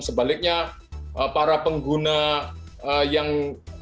sebaliknya para pengguna yang